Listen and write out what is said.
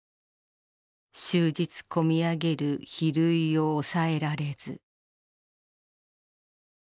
終日、こみあげる悲涙を押さえられず。